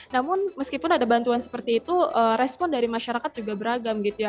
namun meskipun ada bantuan seperti itu respon dari masyarakat juga beragam gitu ya